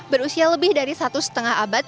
berusia lebih dari satu lima abad